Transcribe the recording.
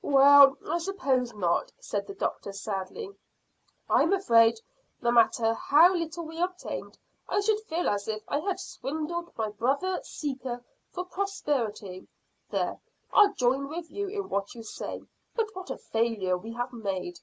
"Well, I suppose not," said the doctor sadly. "I'm afraid no matter how little we obtained I should feel as if I had swindled my brother seeker for prosperity. There, I'll join with you in what you say. But what a failure we have made!"